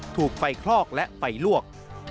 ถูกไฟคลอกและไฟลวก